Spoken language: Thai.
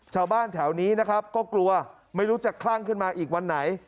ชาวบ้านแถวนี้นะครับก็กลัวไม่รู้จะคลั่งขึ้นมาอีกวันไหน